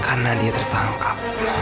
karena dia tertangkap